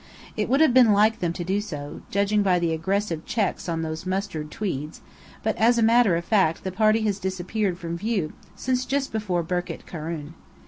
It would have been like them to do so, judging by the aggressive checks on those mustard tweeds; but as a matter of fact the party has disappeared from view since just before Birket Karun.